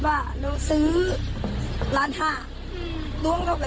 สวัสดีครับทุกคน